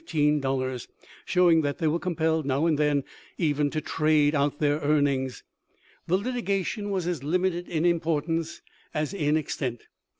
00," showing that they were compelled, now and then, even to " trade out " their earnings. The litigation was as limited in importance as in extent.